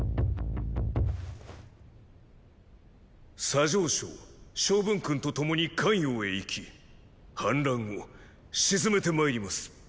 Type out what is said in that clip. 左丞相昌文君と共に咸陽へ行き反乱を鎮めてまいります。